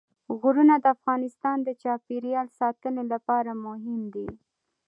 غرونه د افغانستان د چاپیریال ساتنې لپاره مهم دي.